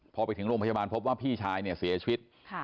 พอไปถึงโรงพยาบาลพบว่าพี่ชายเนี่ยเสียชีวิต